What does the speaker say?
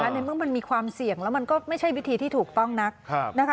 ในเมื่อมันมีความเสี่ยงแล้วมันก็ไม่ใช่วิธีที่ถูกต้องนักนะคะ